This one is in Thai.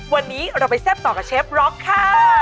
วันนี้เราไปแซ่บต่อกับเชฟร็อกค่ะ